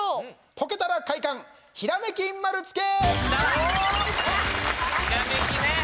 解けたら快感ひらめき丸つけ！